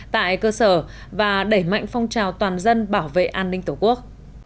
tại cơ sở và đẩy mạnh phong trào toàn dân bảo vệ an ninh tổ quốc